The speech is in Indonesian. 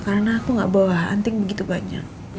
karena aku gak bawa anting begitu banyak